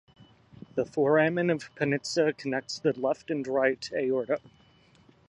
The foramen of Panizza connects the left and right aorta.